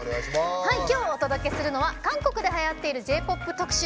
今日お届けするのは韓国ではやっているＪ‐ＰＯＰ特集。